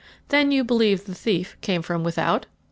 "Then you believe the thief came from without?"